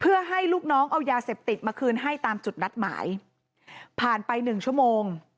เพื่อให้ลูกน้องเอายาเสพติดมาคืนให้ตามจุดนัดหมายผ่านไปหนึ่งชั่วโมง